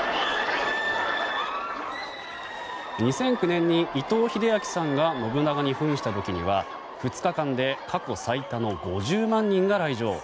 ２００９年に伊藤英明さんが信長に扮した時には２日間で過去最多の５０万人が来場。